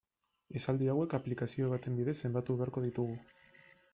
Esaldi hauek aplikazio baten bidez zenbatu beharko ditugu.